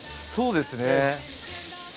そうですね。